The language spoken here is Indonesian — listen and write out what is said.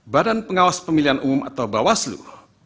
badan pengawas pemilihan umum atau bawaslu